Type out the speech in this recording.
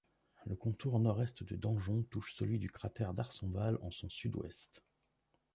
Le contour nord-est de Danjon touche celui du cratère D'Arsonval en son sud-ouest.